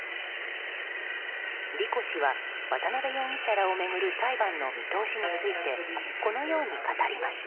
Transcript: リコ氏は、渡辺容疑者らを巡る裁判の見通しについてこのように語りました。